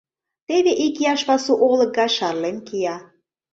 Теве икияш пасу олык гай шарлен кия.